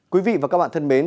quý vị và các bạn thân mến